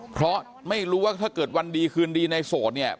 เพราะไม่รู้ว่าถ้าเกิดวันดีคืนดีในโสดเนี่ย